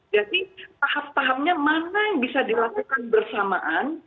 jadi tahap tahapnya mana yang bisa dilakukan bersamaan